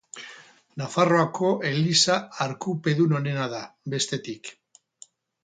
Nafarroako eliza arkupedun onena da, bestetik.